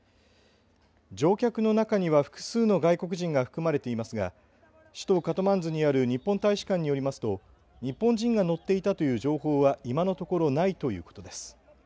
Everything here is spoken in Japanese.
乗客の中には複数の外国人が含まれていますが首都カトマンズにある日本大使館によりますと日本人が乗っていたという情報は今のところないということです。